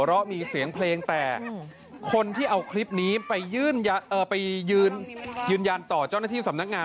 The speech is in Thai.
ร้องมีเสียงเพลงแต่คนที่เอาคลิปนี้ไปยื่นอย่ะเอ่อไปยืนยืนยันต่อเจ้านักที่สำนักงาน